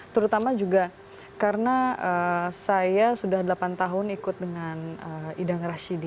terutama juga karena saya sudah delapan tahun ikut dengan idang rashidi